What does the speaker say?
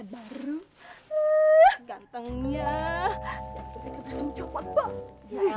bisa mencobot pak